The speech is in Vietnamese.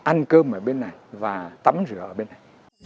ăn cơm ở bên này và tắm rửa ở bên này